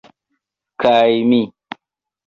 Kaj mi